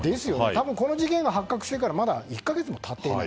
この事件が発覚してから１か月も経っていない。